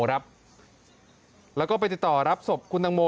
แล้วก็ไปติดต่อรับศพคุณตังโม